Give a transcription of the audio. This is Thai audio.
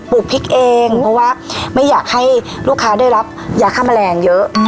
ลูกพริกเองเพราะว่าไม่อยากให้ลูกค้าได้รับยาฆ่าแมลงเยอะ